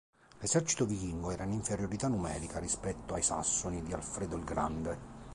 L'esercito vichingo era in inferiorità numerica rispetto ai sassoni di Alfredo il Grande.